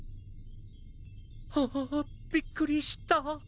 あああびっくりした。